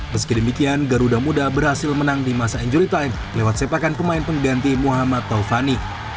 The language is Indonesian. meski demikian garuda muda berhasil menang di masa injury time lewat sepakan pemain pengganti muhammad taufani